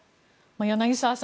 柳澤さん